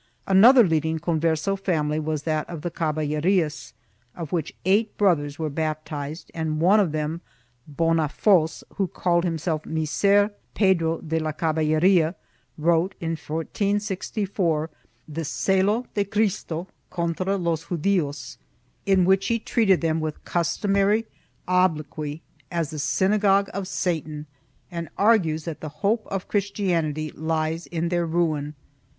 Another leading Converso family was that of the Caballerias, of which eight brothers were baptized and one of them, Bonafos, who called himself Micer Pedro de la Caballeria, wrote, in 1464, the Celo de Cristo contra los Judios in which he treated them with customary obloquy as the synagogue of Satan and argues that the hope of Christianity lies in their ruin.